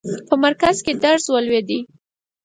په مرکز کې درز ولوېدی.